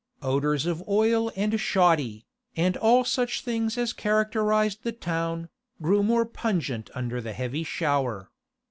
Odours of oil and shoddy, and all such things as characterised the town, grew more pungent under the heavy shower.